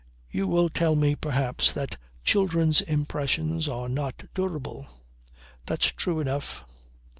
You will tell me perhaps that children's impressions are not durable. That's true enough.